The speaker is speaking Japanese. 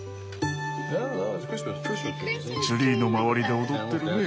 ツリーの周りで踊ってるね。